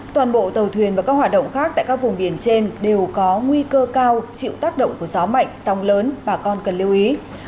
toàn bộ tàu thuyền và các hoạt động khác tại các vùng biển trên đều có nguy cơ cao chịu tác động của gió mạnh sóng lớn bà con cần lưu ý